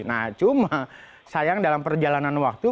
nah cuma sayang dalam perjalanan waktu